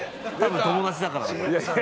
友達だから。